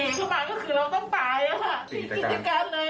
อืมเอาลูกน้องเขาซ่อนไว้แต่ว่าเราไม่รู้เลยว่าถ้าเกิดมันเห็นเข้ามา